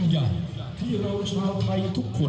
สวัสดีครับทุกคน